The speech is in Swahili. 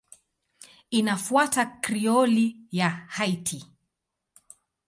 Inafuata Krioli ya Haiti.